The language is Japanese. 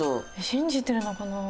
信じてるのかな？